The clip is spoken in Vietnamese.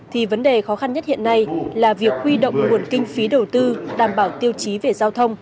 thì vấn đề khó khăn nhất hiện nay là việc huy động nguồn kinh phí đầu tư đảm bảo tiêu chí về giao thông